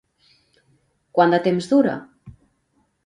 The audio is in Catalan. Quant de temps dura?